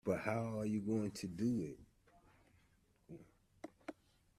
But how are you going to do it.